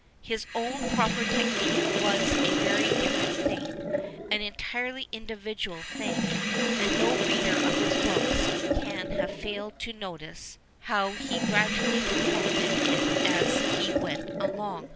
His own proper technique was a very different thing, an entirely individual thing, and no reader of his books can have failed to notice how he gradually perfected it as he went along.